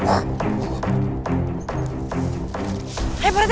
eh pak rete